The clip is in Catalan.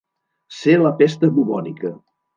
Ser la pesta bubònica.